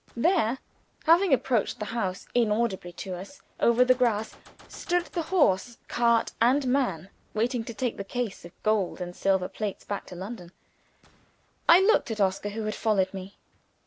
There having approached the house inaudibly to us, over the grass stood the horse, cart, and man, waiting to take the case of gold and silver plates back to London. I looked at Oscar, who had followed me.